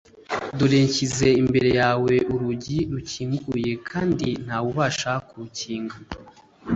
Dore nshyize imbere yawe urugi rukinguye kandi nta wubasha kurukinga,